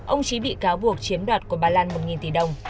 ông trí bị cáo buộc chiếm đoạt của bà lan một tỷ đồng